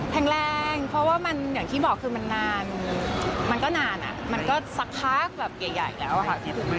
แข็งแรงเพราะว่ามันอย่างที่บอกคือมันนานมันก็นานมันก็สักพักแบบใหญ่แล้วอะค่ะ